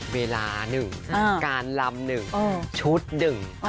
เวลาหนึ่งการลำหนึ่งชุดหนึ่ง